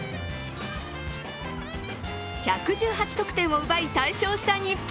１１８得点を奪い大勝した日本。